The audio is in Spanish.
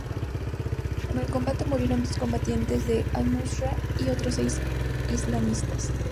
En el combate murieron dos combatientes de al-Nusra y otros seis islamistas.